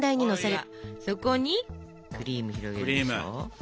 そこにクリーム広げるでしょ。